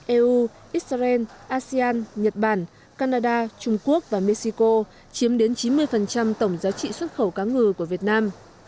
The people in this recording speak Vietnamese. eu israel asean nhật bản canada trung quốc và mexico chiếm đến chín mươi tổng giá trị xuất khẩu cá ngừ của việt nam